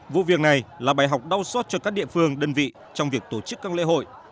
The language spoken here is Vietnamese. vụ việc này là bài học đau sót cho các địa phương đơn vị trong việc tổ chức các lễ hội